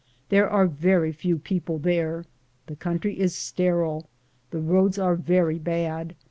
There are very few people there ; the coun try is sterile ; the roads are very bad.